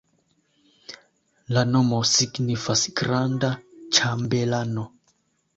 La nomo signifas granda-ĉambelano.